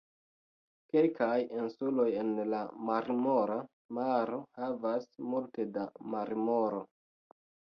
Kelkaj insuloj en la Marmora Maro havas multe da marmoro.